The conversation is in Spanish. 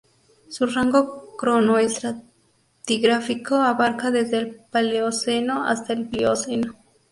Su rango cronoestratigráfico abarca desde el Paleoceno hasta el Plioceno.